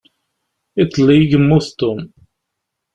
Iḍelli i yemmut Tom.